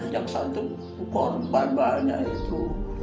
jaksa itu ukur barbanya itu